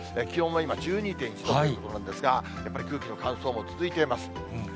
気温も今１２．１度ということなんですが、やっぱり空気の乾燥も続いています。